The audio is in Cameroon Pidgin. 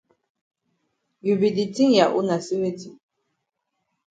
You be di tink ya own na say weti?